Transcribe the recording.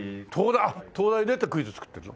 あっ東大出てクイズ作ってるの？